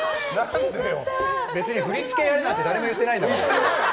別に振り付けやれなんて誰も言ってないのに。